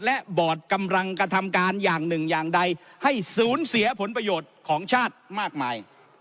และบอร์ดกำลังกระทำการอย่างหนึ่งอย่างใดให้สูญเสียผลประโยชน์ของชาติมากมาย